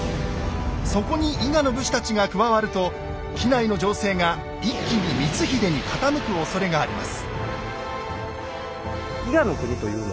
そこに伊賀の武士たちが加わると畿内の情勢が一気に光秀に傾くおそれがあります。